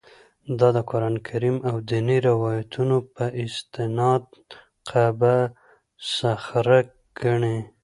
دا د قران کریم او دیني روایتونو په استناد قبه الصخره ګڼي.